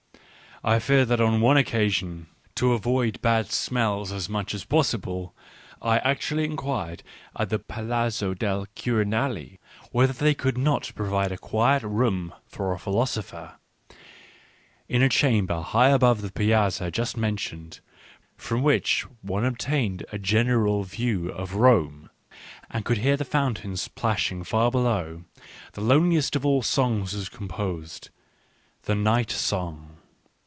I fear that on one occasion, to avoid bad Digitized by Google 104 ECCE HOMO smells as much as possible, I actually inquired at the Palazzo del Quirinale whether they could not provide a quiet room for a philosopher. In a chamber high above the Piazza just mentioned, from which one obtained a general view of Rome, and could hear the fountains plashing far below, the loneliest of all songs was composed — "The Night Song."